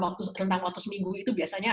waktu rentang waktu seminggu itu biasanya